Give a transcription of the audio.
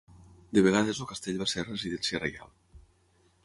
De vegades el castell va ser residència reial.